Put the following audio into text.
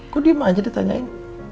kok diem aja ditanyain